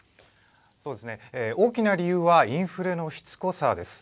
大きな理由はインフレのしつこさです。